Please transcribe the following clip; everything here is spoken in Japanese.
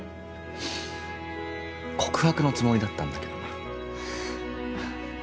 告白のつもりだったんだけどな。ははっ。